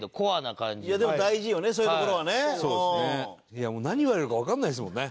いやもう何言われるかわかんないですもんね。